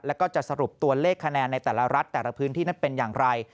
แล้วก็จะสรุปตัวเลขคะแนนในแต่ละรัฐแต่ละพื้นที่นั้นเป็นอย่างไร